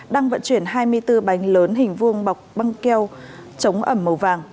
đang vận chuyển hai mươi bốn bánh lớn hình vuông bọc băng keo chống ẩm màu vàng